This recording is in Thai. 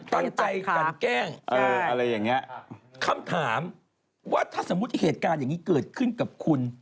ตั้งใจกันแกล้งอะไรอย่างเงี้ยคำถามว่าถ้าสมมุติเหตุการณ์อย่างนี้เกิดขึ้นกับคุณ